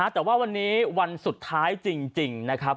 แต่ว่าวันนี้วันสุดท้ายจริงนะครับ